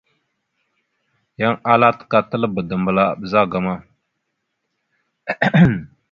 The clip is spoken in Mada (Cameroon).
Yan ala təkatalba dambəla a ɓəzagaam a.